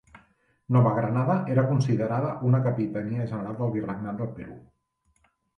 Nova Granada era considerada una Capitania General del Virregnat del Perú.